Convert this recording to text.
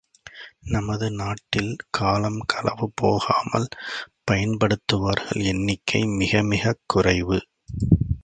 நமது நாட்டில் காலம் களவு போகாமல் பயன்படுத்துபவர்கள் எண்ணிக்கை மிகமிகக் குறைவு.